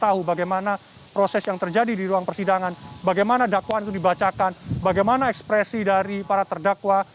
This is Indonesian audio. ada di ruang persidangan bagaimana dakwaan dibacakan bagaimana ekspresi dari para terdakwa